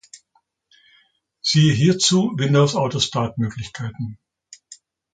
Siehe hierzu Windows-Autostart-Möglichkeiten.